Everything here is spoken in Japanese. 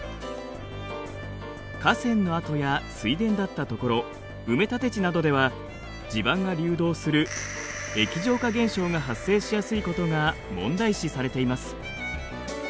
河川の跡や水田だったところ埋め立て地などでは地盤が流動する液状化現象が発生しやすいことが問題視されています。